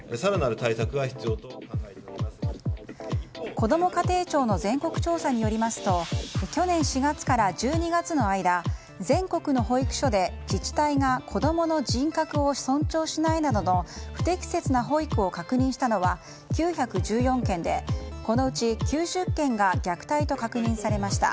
こども家庭庁の全国調査によりますと去年４月から１２月の間全国の保育所で自治体が子供の人格を尊重しないなどの不適切な保育を確認したのは９１４件でこのうち９０件が虐待と確認されました。